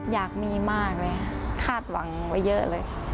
อยากมีมากเลยคาดหวังไว้เยอะเลย